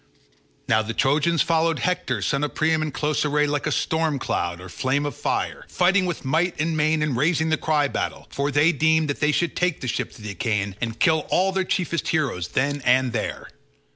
Now the Trojans followed Hector son of Priam in close array like a storm cloud or flame of fire, fighting with might and main and raising the cry battle; for they deemed that they should take the ships of the Achaeans and kill all their chiefest heroes then and there.